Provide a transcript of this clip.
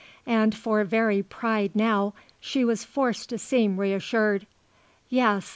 And for very pride now she was forced to seem reassured. "Yes.